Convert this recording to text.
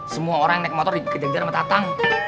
semua orang yang naik motor dikejar kejar sama tatang